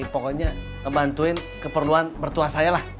pokoknya ngebantuin keperluan mertua saya lah